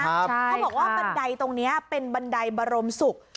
เขาบอกว่าบันไดตรงนี้เป็นบันไดบรมศุกร์